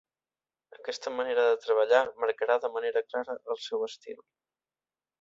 Aquesta manera de treballar marcarà de manera clara el seu estil.